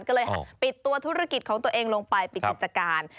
ก็เลยปิดตัวธุรกิจของตัวเองลงไปปิดกิจการ